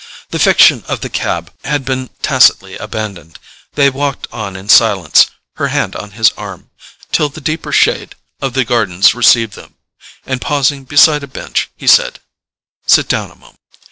The fiction of the cab had been tacitly abandoned; they walked on in silence, her hand on his arm, till the deeper shade of the gardens received them, and pausing beside a bench, he said: "Sit down a moment."